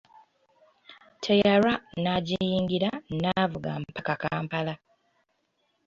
Teyalwa n'agiyingira n'avuga mpaka kampala.